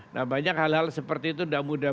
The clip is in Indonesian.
nah banyak hal hal seperti itu tidak mudah